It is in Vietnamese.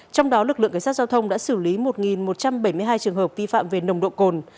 trong đó lực lượng cảnh sát giao thông đã xử lý một một trăm bảy mươi hai trường hợp vi phạm về nồng độ cồn